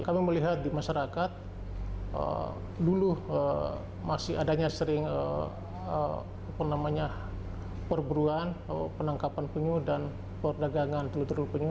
kami melihat di masyarakat dulu masih adanya sering perburuan penangkapan penyu dan perdagangan telur telur penyu